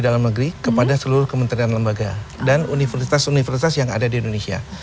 dalam negeri kepada seluruh kementerian lembaga dan universitas universitas yang ada di indonesia